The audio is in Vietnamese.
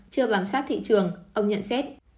chưa bám sát thị trường ông nhận xét